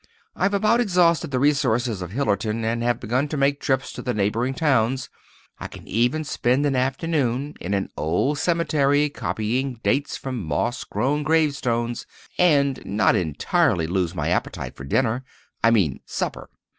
I've about exhausted the resources of Hillerton, and have begun to make trips to the neighboring towns. I can even spend an afternoon in an old cemetery copying dates from moss grown gravestones, and not entirely lose my appetite for dinner—I mean, supper.